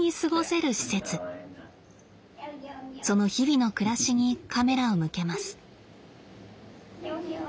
その日々の暮らしにカメラを向けます。